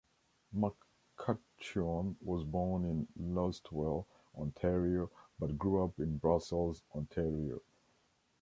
McCutcheon was born in Listowel, Ontario, but grew up in Brussels, Ontario.